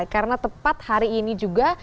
karena tepat hari ini juga